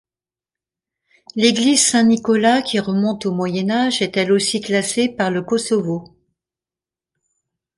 L'église Saint-Nicolas, qui remonte au Moyen Âge, est elle aussi classée par le Kosovo.